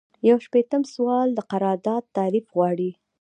یو شپیتم سوال د قرارداد تعریف غواړي.